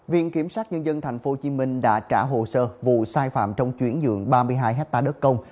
viện kiểm sát nhân dân tp hcm đã trả hồ sơ vụ sai phạm trong chuyển nhượng ba mươi hai hectare đất công